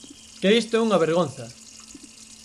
¡Que isto é unha vergonza!